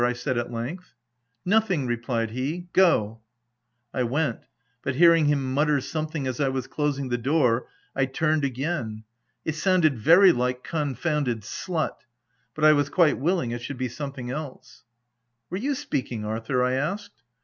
I said at length. « Nothing/' replied he. " Go !" I went, but hearing him mutter something as I was closing the door, I turned again. It sounded very like " confounded slut/' but I was quite willing it should be something else. " Were you speaking Arthur ?" I asked.